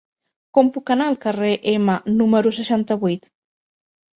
Com puc anar al carrer Ema número seixanta-vuit?